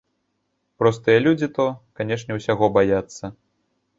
Простыя людзі то, канечне, усяго баяцца.